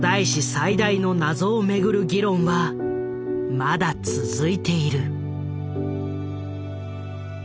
最大の謎をめぐる議論はまだ続いている。